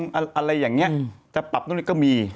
โทษลดลงอะไรอย่างนี้แต่ปรับตรงนี้ก็มี